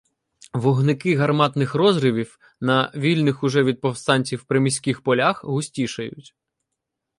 Вогники гарматних розривів на вільних уже від повстанців приміських полях густішають.